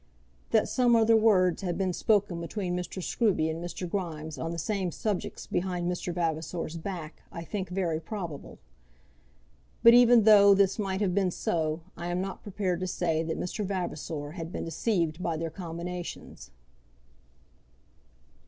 That some other words had been spoken between Mr. Scruby and Mr. Grimes on the same subjects behind Mr. Vavasor's back I think very probable. But even though this might have been so I am not prepared to say that Mr. Vavasor had been deceived by their combinations.